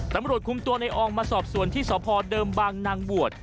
ตำรวจคุมตัวในอองมาสอบสวนที่สพเดิมบางนางบวช